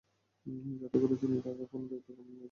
যাতে করে তিনি তাঁকে কোন দায়িত্বপূর্ণ পদে নিয়োজিত করতে পারেন।